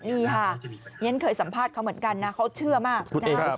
ฉะนั้นเคยสัมภาษณ์เขาเหมือนกันนะเขาเชื่อมากนะฮะ